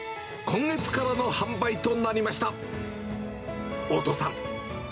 今月からの販売となりました。